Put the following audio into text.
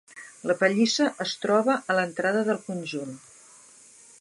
La pallissa es troba a l'entrada del conjunt.